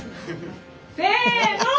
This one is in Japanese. せの！